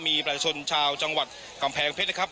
มีประชาชนชาวจังหวัดกำแพงเพชรนะครับ